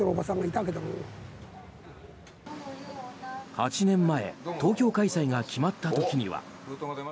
８年前東京開催が決まった時には。